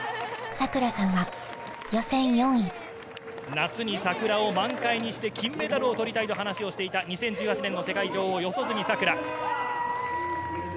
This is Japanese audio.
夏に桜を満開にして金メダルを取りたいと話をしていた２０１８年の世界女王四十住さくら。